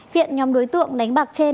viện nhóm đối tượng đánh bạc trên